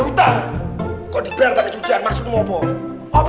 hutang kau dibayar cucian maksudnya apa apa